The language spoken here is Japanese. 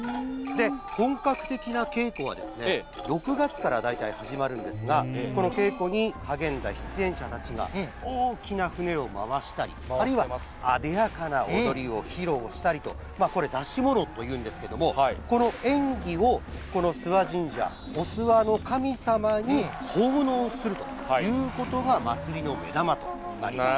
本格的な稽古は、６月から大体始まるんですが、この稽古に励んだ出演者たちが、大きな船を回したり、あるいはあでやかな踊りを披露したりと、これ、出し物というんですけれども、この演技をこの諏訪神社、お諏訪の神様に奉納するということが、祭りの目玉となります。